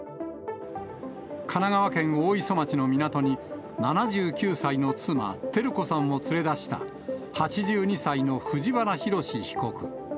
神奈川県大磯町の港に７９歳の妻、照子さんを連れ出した、８２歳の藤原宏被告。